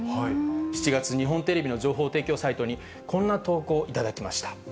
７月、日本テレビの情報提供サイトに、こんな投稿、頂きました。